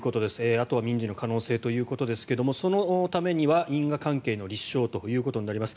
あとは民事の可能性ということですがそのためには因果関係の立証ということになります。